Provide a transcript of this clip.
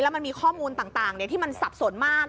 มันมีข้อมูลต่างที่มันสับสนมาก